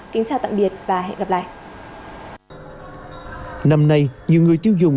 kính chào tạm biệt và hẹn gặp lại